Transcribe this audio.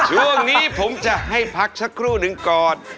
ช่วงนี้ผมจะให้พักสักครู่หนึ่งก่อน